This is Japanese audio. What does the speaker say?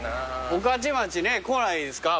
御徒町ね来ないですか？